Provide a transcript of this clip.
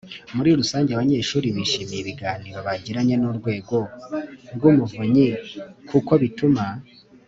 Muri rusange abanyeshuri bishimiye ibiganiro bagiranye n Urwego rw Umuvunyi kuko bituma